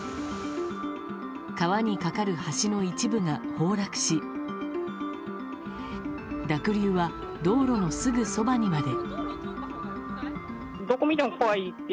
川に架かる橋の一部が崩落し濁流は道路のすぐそばにまで。